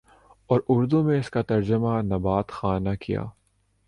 اور اردو میں اس کا ترجمہ نبات خانہ کیا